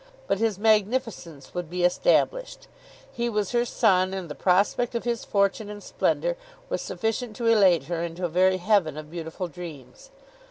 But his magnificence would be established. He was her son, and the prospect of his fortune and splendour was sufficient to elate her into a very heaven of beautiful dreams.